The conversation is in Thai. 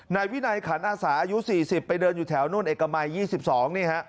ในวินัยขันอาสาอายุสี่สิบไปเดินอยู่แถวนู่นเอกมัยยี่สิบสองนี่ฮะ